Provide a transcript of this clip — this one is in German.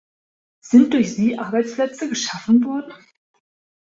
Sind durch sie Arbeitsplätze geschaffen worden?